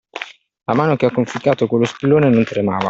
La mano che ha conficcato quello spillone non tremava!